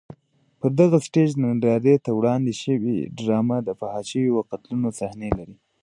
پر دغه سټېج نندارې ته وړاندې شوې ډرامه د فحاشیو او قتلونو صحنې لري.